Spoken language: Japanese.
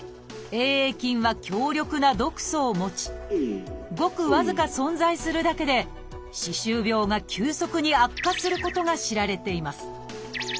Ａ．ａ．菌は強力な毒素を持ちごく僅か存在するだけで歯周病が急速に悪化することが知られています。